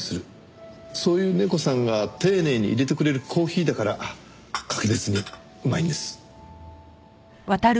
そういうネコさんが丁寧に淹れてくれるコーヒーだから格別にうまいんです。